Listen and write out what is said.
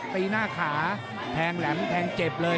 ตีหน้าขาแทงแหลมแทงเจ็บเลย